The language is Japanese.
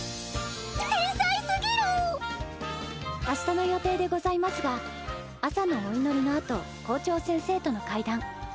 明日の予定でございますが朝のお祈りのあと校長先生との会談。